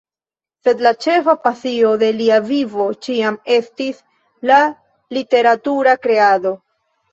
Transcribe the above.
Sed la ĉefa pasio de lia vivo ĉiam estis la literatura kreado.